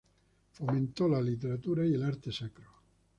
Fomentó la literatura y el arte sacro.